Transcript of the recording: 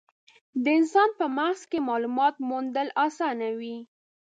د انسان په مغز کې مالومات موندل اسانه وي.